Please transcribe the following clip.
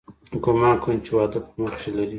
ګومان کوم چې واده په مخ کښې لري.